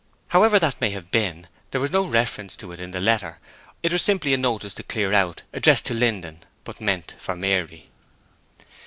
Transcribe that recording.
However that may have been, there was no reference to it in the letter it was simply a notice to clear out, addressed to Linden, but meant for Mary.